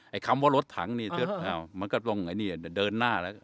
ไอเค้ำว่ารถถังมันก็ต้องเดินหน้าแล้ว